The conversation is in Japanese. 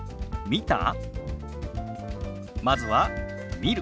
「見た？」。